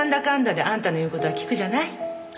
であんたの言う事は聞くじゃない。